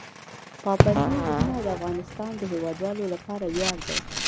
پابندی غرونه د افغانستان د هیوادوالو لپاره ویاړ دی.